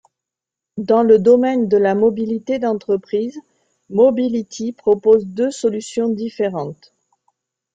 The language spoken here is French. Dans le domaine de la mobilité d'entreprise, Mobility propose deux solutions différentes.